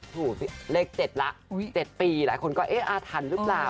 หูเลขเจ็ดแต่ละ๗ปีหลายคนก็เอ๊ะอ่ะทันหรือเปล่า